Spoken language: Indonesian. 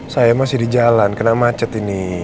saya masih di jalan kena macet ini